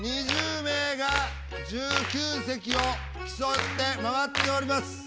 ２０名が１９席を競って回っております。